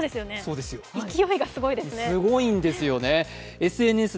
勢いがすごいですよね。